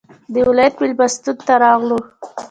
د ولایت مېلمستون ته راغلو.